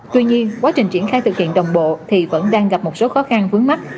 tuy nhiên quá trình triển khai thực hiện đồng bộ thì vẫn đang gặp một số khó khăn vướng mắt